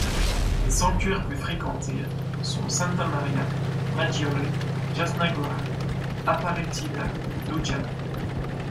Les sanctuaires plus fréquentées sont Santa Maria Maggiore, Jasna Góra, Aparecida, Luján.